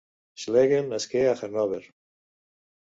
Schlegel nasqué a Hannover.